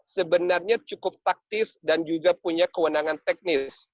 sebenarnya cukup taktis dan juga punya kewenangan teknis